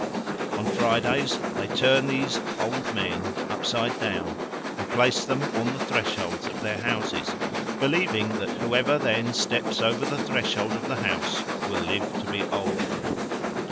On Fridays they turn these "old men" upside down and place them on the thresholds of their houses, believing that whoever then steps over the threshold of the house will live to be old.